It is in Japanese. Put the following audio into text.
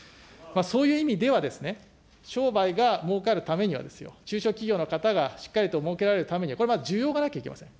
そういう意味ではですね、商売がもうかるためには、中小企業の方がしっかりともうけられるためには、これは需要がなければいけません。